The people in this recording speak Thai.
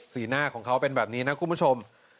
หน้าของเขาเป็นแบบนี้นะคุณผู้ชม